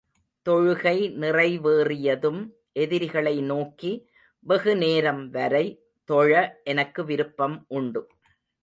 தொழுகை நிறைவேறியதும், எதிரிகளை நோக்கி, வெகு நேரம் வரை, தொழ எனக்கு விருப்பம் உண்டு.